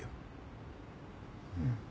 うん。